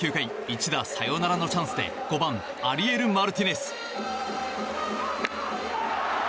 一打サヨナラのチャンスで５番、アリエル・マルティネス。